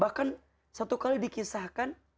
bahkan satu kali dikisahkan